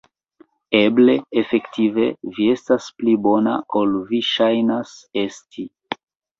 Eble, efektive, vi estas pli bona, ol vi ŝajnas esti.